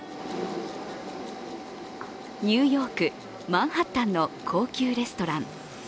ニューヨーク・マンハッタンの高級レストラン。